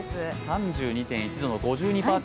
３２．１度の５２％。